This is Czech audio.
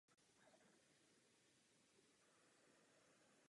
Vynikl též jako editor autorů moderní duchovní literatury.